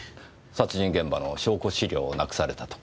殺人現場の証拠資料をなくされたとか？